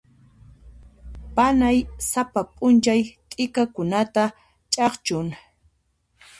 Panay sapa p'unchay t'ikakunata ch'akchun.